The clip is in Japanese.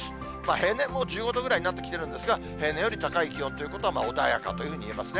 平年も１５度ぐらいになってきてるんですが、平年より高い気温ということは、穏やかというふうに言えますね。